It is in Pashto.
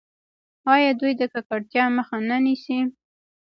آیا دوی د ککړتیا مخه نه نیسي؟